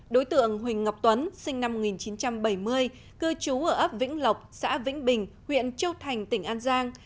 đối tượng huỳnh ngọc tuấn sinh năm một nghìn chín trăm bảy mươi cư trú ở ấp vĩnh lộc xã vĩnh bình huyện châu thành tỉnh an giang